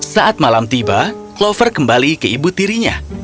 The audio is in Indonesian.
saat malam tiba clover kembali ke ibu tirinya